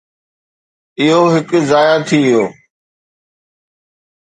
اهو هڪ ضايع ٿي ويو.